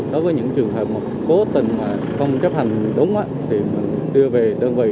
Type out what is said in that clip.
đối với những trường hợp mà cố tình mà không chấp hành đúng thì đưa về đơn vị